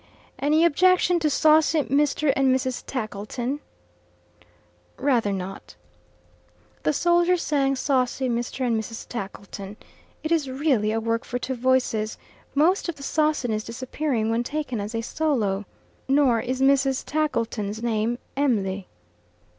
"Any objection to 'Saucy Mr. and Mrs. Tackleton'?" "Rather not." The soldier sang "Saucy Mr. and Mrs. Tackleton." It is really a work for two voices, most of the sauciness disappearing when taken as a solo. Nor is Mrs. Tackleton's name Em'lv.